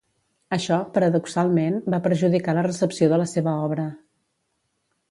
Això, paradoxalment, va perjudicar la recepció de la seva obra.